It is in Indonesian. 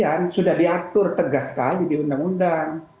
pemberhentian sudah diatur tegas sekali di undang undang